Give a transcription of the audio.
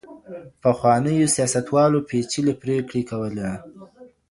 پخوانيو سياستوالو پېچلې پريکړي کولې.